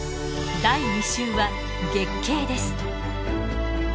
第２集は月経です。